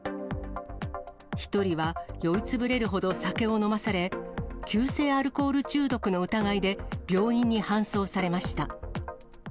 １人は、酔いつぶれるほど酒を飲まされ、急性アルコール中毒の疑いで病院に搬送されました。